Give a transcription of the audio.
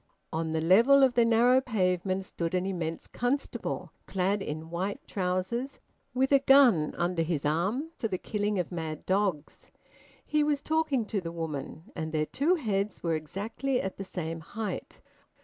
On the level of the narrow pavement stood an immense constable, clad in white trousers, with a gun under his arm for the killing of mad dogs; he was talking to the woman, and their two heads were exactly at the same height.